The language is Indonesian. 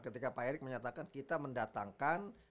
ketika pak erick menyatakan kita mendatangkan